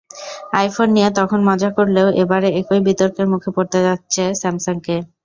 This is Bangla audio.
আইফোন নিয়ে তখন মজা করলেও এবারে একই বিতর্কের মুখে পড়তে হচ্ছে স্যামসাংকে।